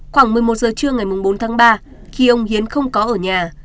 khoảng một mươi một giờ trưa ngày bốn tháng ba khi ông hiến không có ở nhà